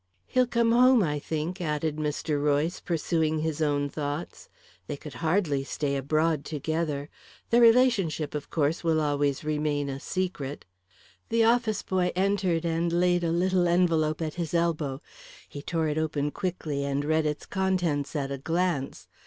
"He'll come home, I think," added Mr. Royce, pursuing his own thoughts. "They could hardly stay abroad together; their relationship, of course, will always remain a secret " The office boy entered and laid a little envelope at his elbow. He tore it open quickly and read its contents at a glance.